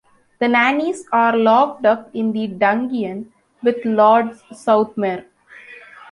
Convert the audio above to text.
The nannies are locked up in the 'dungeon', with Lord Southmere.